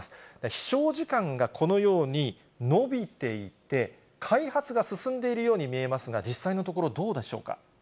飛しょう時間がこのように延びていて、開発が進んでいるように見えますが、実際のところ、どうでしょうか？